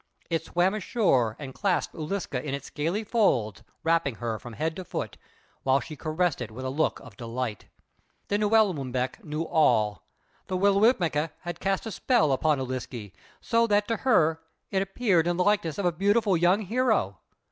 It swam ashore and clasped Ūliske in its scaly folds, wrapping her from head to foot, while she caressed it with a look of delight. Then Ū el ŭm bek knew all. The Wi willmekq' had cast a spell upon Ūliske so that to her it appeared in the likeness of a beautiful young hero.